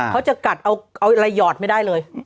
อ๋อเขาจะกัดเอาไหล่หยอดไม่ได้เลย